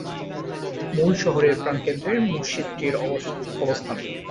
মূল শহরের প্রাণকেন্দ্রে মসজিদটির অবস্থান।